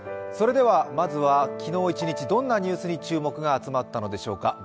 まずは昨日一日どんなニュースに注目が集まったのでしょうか。